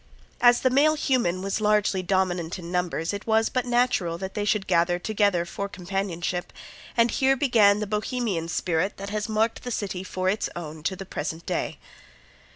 As the male human was largely dominant in numbers it was but natural that they should gather together for companionship, and here began the Bohemian spirit that has marked the city for its own to the present day.